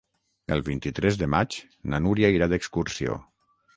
El vint-i-tres de maig na Núria irà d'excursió.